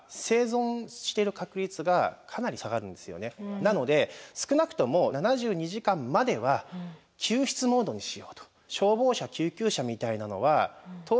なので少なくとも７２時間までは救出モードにしようと。